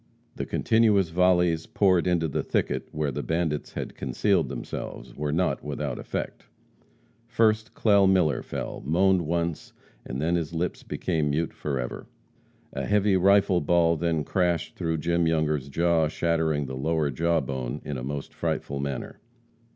The continuous volleys poured into the thicket where the bandits had concealed themselves were not without effect. First, Clell Miller fell, moaned once, and then his lips became mute forever. A heavy rifle ball then crashed through Jim Younger's jaw, shattering the lower jawbone in a most frightful manner.